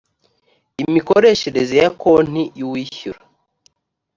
imikoreshereze ya konti y uwishyura